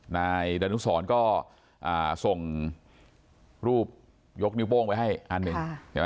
นายดรุษรก็ส่งรูปยกนิ้วโป้งไปให้อันนึง